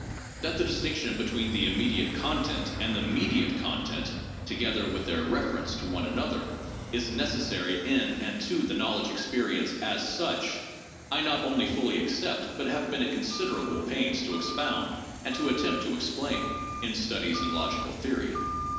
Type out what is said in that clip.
That the distinction between the immediate con tent and the mediate content (together with their reference to one another) is necessary in and to the knowledge experience as such, I not only fully accept, but have been at considerable pains to ex pound and to attempt to explain (in 'Studies in Logical Theory').